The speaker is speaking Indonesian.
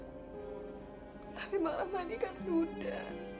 tapi bang ramadhi kan duda